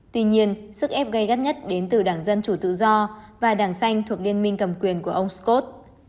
tuy nhiên sức ép gây gắt nhất đến từ đảng dân chủ tự do và đảng xanh thuộc liên minh cầm quyền của ông scott